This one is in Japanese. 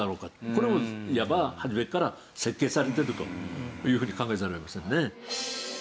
これもいわば初めから設計されてるというふうに考えざるを得ませんね。